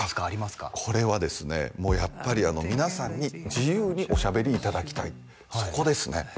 あっこれはですねもうやっぱりみなさんに自由にお喋りいただきたいそこですね